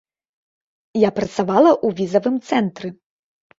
Я працавала ў візавым цэнтры.